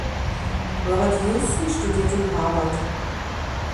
Robert Houston studierte in Harvard.